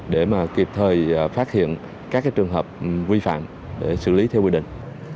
để kịp thời phát hiện các trường hợp vi phạm để xử lý theo quy định